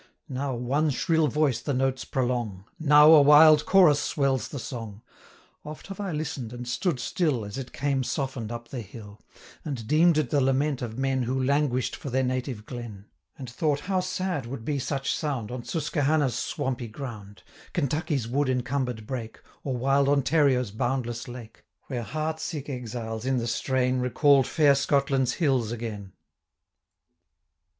135 Now one shrill voice the notes prolong, Now a wild chorus swells the song: Oft have I listen'd, and stood still, As it came soften'd up the hill, And deem'd it the lament of men 140 Who languish'd for their native glen; And thought how sad would be such sound, On Susquehanna's swampy ground, Kentucky's wood encumber'd brake, Or wild Ontario's boundless lake, 145 Where heart sick exiles, in the strain, Recall'd fair Scotland's hills again!